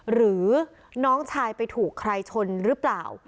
หรือน้องชายไปถูกใครชนหรือเปล่า